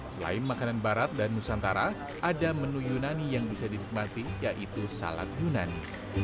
selain makanan barat dan nusantara ada menu yunani yang bisa dinikmati yaitu salat yunani